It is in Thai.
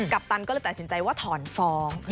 ปตันก็เลยตัดสินใจว่าถอนฟ้อง